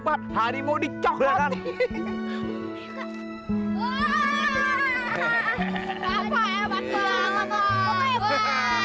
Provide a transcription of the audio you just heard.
papa kau ini habis berantem sama macan